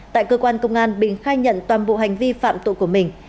tại cơ quan công an bình khai nhận toàn bộ hành vi phạm tội của mình